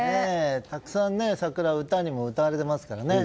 たくさん桜は歌にも歌われていますからね。